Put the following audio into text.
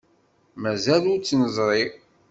Mazal ur tt-neẓri.